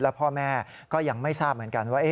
พ่อแม่ก็ยังไม่ทราบเหมือนกันว่า